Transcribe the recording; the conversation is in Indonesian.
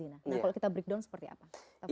nah kalau kita breakdown seperti apa